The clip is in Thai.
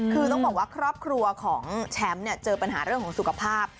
คือต้องบอกว่าครอบครัวของแชมป์เจอปัญหาเรื่องของสุขภาพ